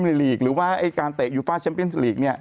วิ่งมีรีคหรือว่าการเตะอยู่ฟ้าแชมพิวส์ลีก